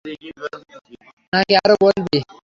নাকি আরো বলবি?